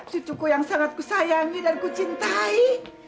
cucuku yang sangat kusayangi dan kucintai